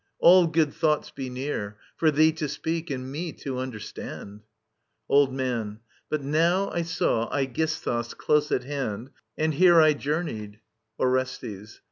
All good thoughts be near, For thee to speak and me to understand !• Old Man. But now I saw Aegisthus, close at hand As here I journeyed. Orestes.